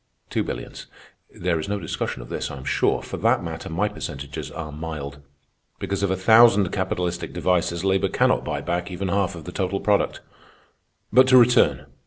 Two billions. There is no discussion of this, I am sure. For that matter, my percentages are mild. Because of a thousand capitalistic devices, labor cannot buy back even half of the total product. "But to return.